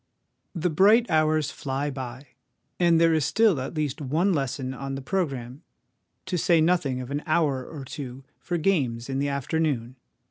The bright hours fly by; and there is still at least one lesson on the programme, to say nothing of an hour or two for games in the afternoon.